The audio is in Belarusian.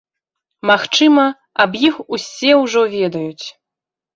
Магчыма, аб іх усе ўжо ведаюць.